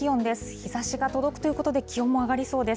日ざしが届くということで、気温も上がりそうです。